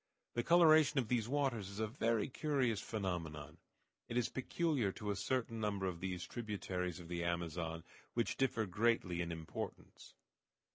The coloration of these waters is a very curious phenomenon. It is peculiar to a certain number of these tributaries of the Amazon, which differ greatly in importance.